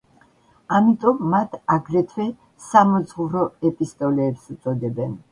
ამიტომ მათ აგრეთვე, „სამოძღვრო ეპისტოლეებს“ უწოდებენ.